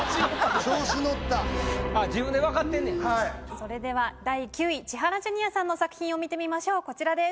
それでは第９位千原ジュニアさんの作品を見てみましょうこちらです。